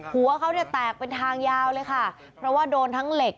หัวเขาเนี่ยแตกเป็นทางยาวเลยค่ะเพราะว่าโดนทั้งเหล็ก